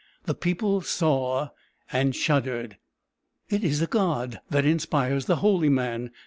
The people saw, and shuddered. "It is a god that inspires the holy man!